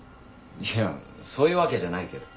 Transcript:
いやそういうわけじゃないけど。